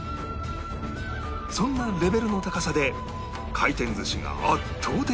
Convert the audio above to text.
そんなレベルの高さで回転寿司が圧倒的な人気